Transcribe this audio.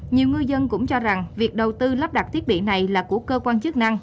nhiều ngư dân cũng cho rằng việc đầu tư lắp đặt thiết bị này là của cơ quan chức năng